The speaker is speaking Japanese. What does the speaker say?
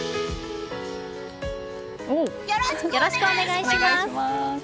よろしくお願いします！